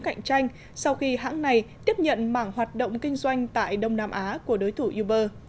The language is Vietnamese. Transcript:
cạnh tranh sau khi hãng này tiếp nhận mảng hoạt động kinh doanh tại đông nam á của đối thủ uber